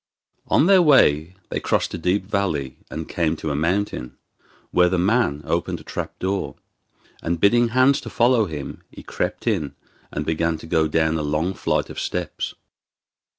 On their way they crossed a deep valley and came to a mountain, where the man opened a trapdoor, and bidding Hans follow him, he crept in and began to go down a long flight of steps.